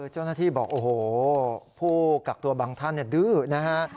เจ้าหน้าที่บอกโอ้โหผู้กักตัวบางท่านดื้อนะฮะ